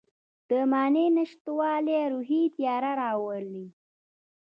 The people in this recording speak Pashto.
د معنی نشتوالی روحي تیاره راولي.